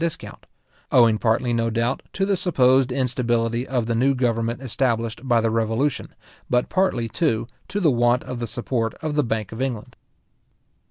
discount; owing partly, no doubt, to the supposed instability of the new government established by the Revolution, but partly, too, to the want of the support of the bank of England.